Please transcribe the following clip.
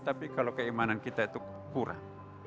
tapi kalau keimanan kita itu kurang